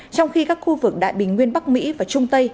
trong khi các khu vực đại bình nguyên bắc mỹ và trung tây